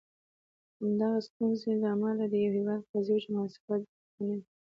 د همدغه ستونزې له امله د یو هیواد اقتصادي حجم محاسبه دقیقه نه وي.